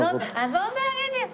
遊んであげてよ。